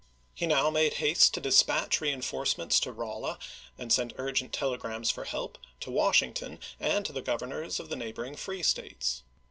He now made haste to dispatch reenforce ments to Rolla, and sent urgent telegi ams for help to Washington and to the Grovernors of the neigh boring free States.